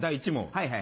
はいはい。